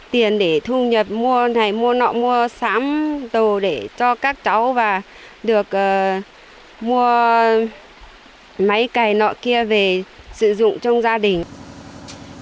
tiền để thu nhập mua này mua nọ mua sắm đồ để cho các cháu và được mua máy cày nọ kia về sử dụng trong gia đình